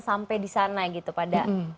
sampai di sana gitu pada